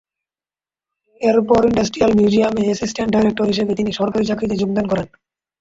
এরপর ইন্ডাস্ট্রিয়াল মিউজিয়ামে assistant director হিসেবে তিনি সরকারি চাকরিতে যোগদান করেন।